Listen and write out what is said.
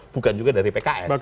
bukan juga dari pks